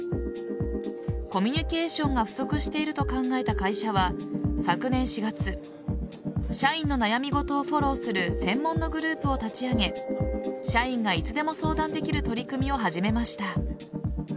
コミュニケーションが不足していると考えた会社は昨年４月社員の悩み事をフォローする専門のグループを立ち上げ社員がいつでも相談できる取り組みを始めました。